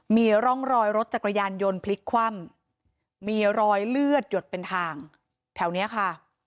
มีร่องรอยรถจักรยานยนต์พลิกคว่ำมีรอยเลือดหยดเป็นทางแถวนี้ค่ะ